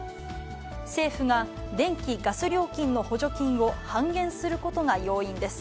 政府が電気・ガス料金の補助金を半減することが要因です。